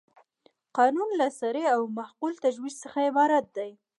قانون له صریح او معقول تجویز څخه عبارت دی.